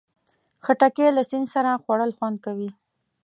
خټکی له سیند سره خوړل خوند کوي.